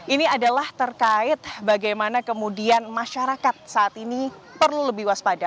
ini adalah terkait bagaimana kemudian masyarakat saat ini perlu lebih waspada